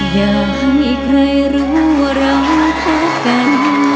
อยากให้ใครรู้ว่าเราคบกัน